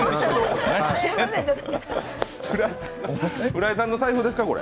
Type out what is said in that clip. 浦井さんの財布ですか、これ。